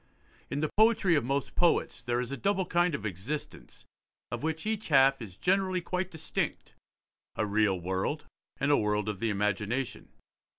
In the poetry of most poets there is a double kind of existence, of which each half is generally quite distinct; a real world, and a world of the imagination.